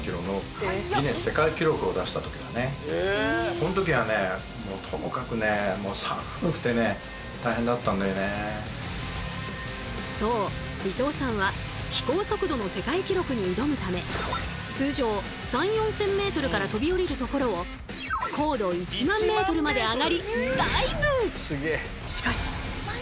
この時はねそう伊藤さんは飛行速度の世界記録に挑むため通常３，０００４，０００ｍから飛び降りるところを高度１万ｍまで上がりダイブ！